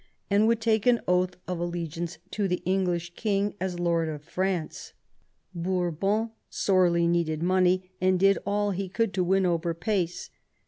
and would take an oath of allegiance to the English king as lord of France. Bour . VII RENEWAL OF PEACE 107 bon sorely needed money, and did all he could to win over Pace.